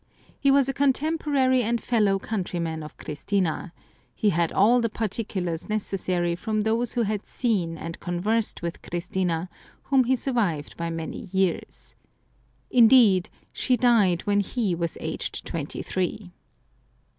He was a contemporary and fellow countryman of Christina ; he had all the par ticulars necessary from those who had seen and 196 Some Crazy Saints conversed with Christina, whom he survived by many years. Indeed, she died when he was aged twenty three.